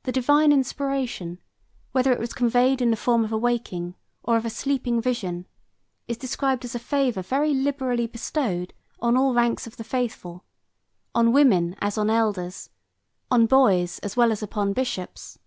74 The divine inspiration, whether it was conveyed in the form of a waking or of a sleeping vision, is described as a favor very liberally bestowed on all ranks of the faithful, on women as on elders, on boys as well as upon bishops.